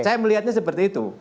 saya melihatnya seperti itu